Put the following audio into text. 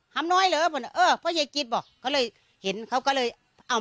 หำน้อยหรือบอกเออพ่อยายกิดบอกเขาเลยเห็นเขาก็เลยเอา